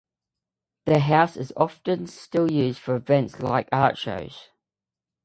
The house is often still used for events like Art Shows.